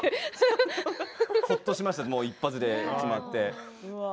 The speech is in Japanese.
ほっとしました一発で決まって。